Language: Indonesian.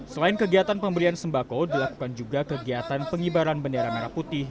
selain kegiatan pemberian sembako dilakukan juga kegiatan pengibaran bendera merah putih